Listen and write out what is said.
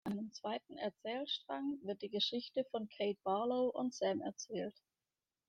In einem zweiten Erzählstrang wird die Geschichte von Kate Barlow und Sam erzählt.